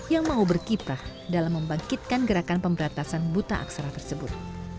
yang mau berkiprah dalam membangkitkan gerakan pemberantasan buta aksara tersebut